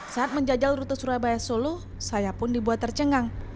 saat menjajal rute surabaya solo saya pun dibuat tercengang